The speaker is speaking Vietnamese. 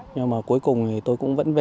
nhưng mà cuối cùng tôi cũng vẫn về